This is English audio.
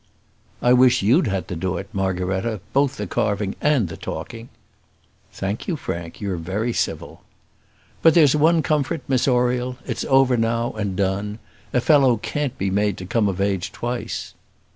"I wish you'd had to do it, Margaretta; both the carving and talking." "Thank you, Frank; you're very civil." "But there's one comfort, Miss Oriel; it's over now, and done. A fellow can't be made to come of age twice."